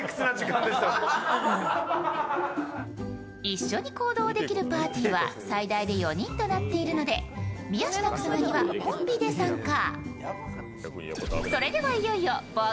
一緒に行動できるパーティーは最大で４人となっているので、宮下草薙はコンビで参加。